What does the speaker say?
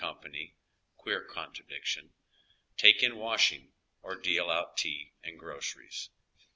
— queer contradiction — take in washing, or deal out tea and groceries.